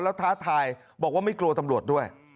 แล้วท้าทายบอกว่าไม่กลัวตำรวจด้วย